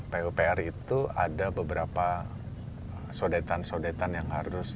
pupr itu ada beberapa sodetan sodetan yang harus